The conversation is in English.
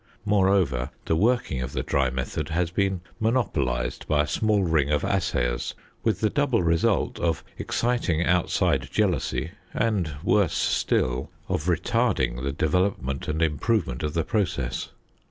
Moreover, the working of the dry method has been monopolised by a small ring of assayers, with the double result of exciting outside jealousy and, worse still, of retarding the development and improvement of the process.